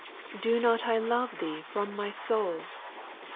Do not I love Thee from my soul